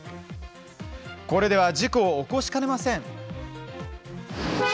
これでは事故を起こしかねません。